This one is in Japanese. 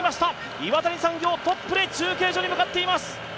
岩谷産業、トップで中継所に向かっています。